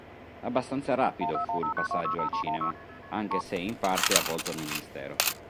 Abbastanza rapido fu il passaggio al cinema, anche se, in parte, avvolto nel mistero.